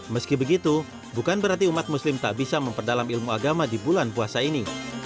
meski begitu bukan berarti umat muslim tak bisa memperdalam ilmu agama di bulan puasa ini